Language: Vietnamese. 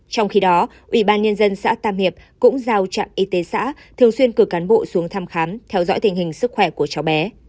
trong khi đó ủy ban nhân dân xã tam hiệp cũng giao trạm y tế xã thường xuyên cử cán bộ xuống thăm khám theo dõi tình hình sức khỏe của cháu bé